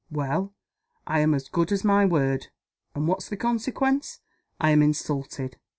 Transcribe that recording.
Well! I am as good as my word. And what's the consequence? I am insulted.